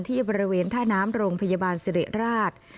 ที่บริเวณท่าน้ำโรงพยาบาลสิริราช